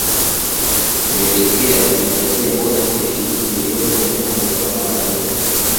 Imepelekea kujipatia bonasi ya shilingi milioni mia moja kwa mara nne